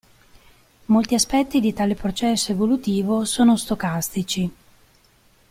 Molti aspetti di tale processo evolutivo sono stocastici.